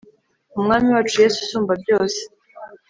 umwami wacu yesu usumba byose